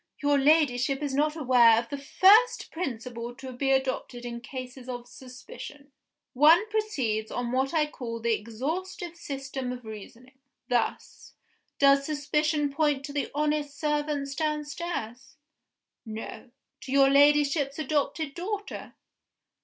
Your Ladyship is not aware of the first principle to be adopted in cases of suspicion. One proceeds on what I will call the exhaustive system of reasoning. Thus: Does suspicion point to the honest servants downstairs? No. To your Ladyship's adopted daughter?